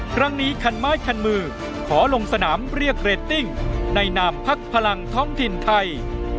ครั้งนี้คันไม้คันมือขอลงสนามเรียกเรตติ้งในนามพักพลังท้องถิ่นไทย